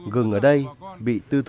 gừng ở đây bị tư thư